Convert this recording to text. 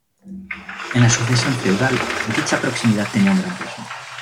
En la sucesión feudal, dicha proximidad tenía un gran peso.